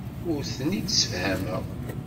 Ur ten-id-ssefhameɣ.